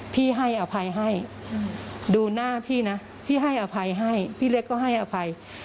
พี่ให้อภัยให้ดูหน้าพี่นะพี่ให้อภัยให้พี่เล็กก็ให้อภัย